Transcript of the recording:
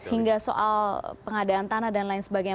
hingga soal pengadaan tanah dan lain sebagainya